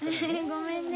ごめんね。